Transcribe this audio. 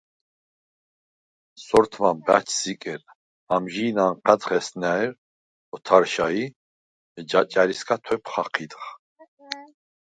სორთმან ბა̈ჩს იკედ, ამჟი̄ნ ანჴა̈დხ ესნა̈რ ოთარშა ი ჯაჭა̈რისგა თუ̂ეფ ხაჴიდხ.